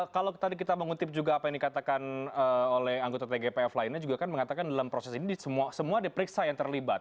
kalau tadi kita mengutip juga apa yang dikatakan oleh anggota tgpf lainnya juga kan mengatakan dalam proses ini semua diperiksa yang terlibat